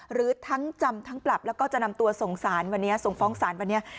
หรือทั้งจำทั้งปรับแล้วก็จะนำตัวส่งฟ้องศาลวันนี้